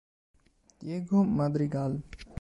Diego Madrigal